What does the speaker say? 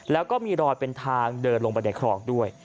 แล้วก็มีรอยเป็นทางเดินลงไปในคลองด้วย